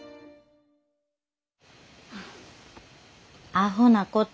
アホなこと。